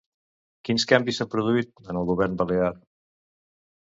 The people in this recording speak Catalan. Quins canvis s'han produït en el Govern balear?